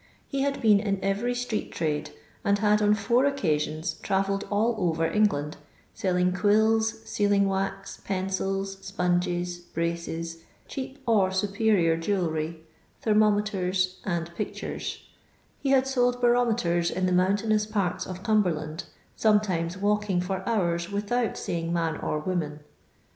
He had been in erery etiect trade, and had on four oocasione trmTelled all oTer England, leUing qnilli, lealing waz, pencils, epongei^ braoei^ cheap or mperior jewellery, thermometen, and pictoreiL He hmd aold banimetert in the aoantainou porta of Cnmberknd, lometimco walking lor honn withont seeing man or woman.